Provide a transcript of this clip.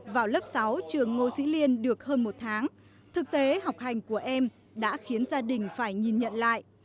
vào lớp sáu trường ngô sĩ liên được hơn một tháng thực tế học hành của em đã khiến gia đình phải nhìn nhận lại